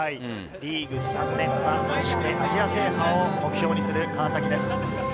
リーグ３連覇、そしてアジア制覇を目標にする川崎です。